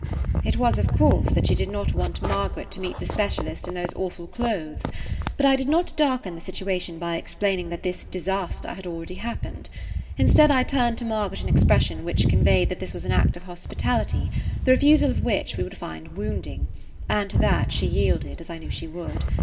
It was, of course, that she did not want Margaret to meet the specialist in those awful clothes; but I did not darken the situation by explaining that this disaster had already happened. Instead, I turned to Margaret an expression which conveyed that this was an act of hospitality the refusal of which we would find wounding, and to that she yielded, as I knew she would.